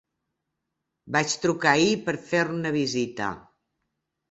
Vaig trucar ahir per fer una visita.